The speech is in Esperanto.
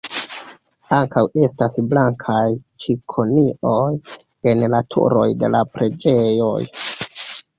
Ankaŭ estas blankaj cikonioj en la turoj de la preĝejoj.